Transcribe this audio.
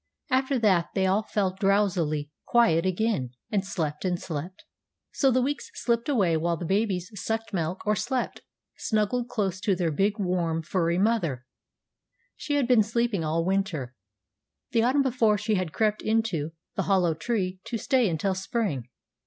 After that they all fell drowsily quiet again, and slept and slept. So the weeks slipped away while the babies sucked milk, or slept, snuggled close to their big, warm, furry mother. She had been sleeping all winter. The autumn before she had crept into the hollow tree to stay until spring.